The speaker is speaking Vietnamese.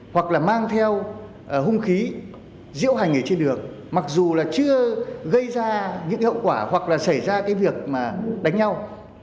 hoặc là mang theo hung khí diễu hành ở trên đường mặc dù là chưa gây ra những hậu quả hoặc là xảy ra cái việc mà đánh nhau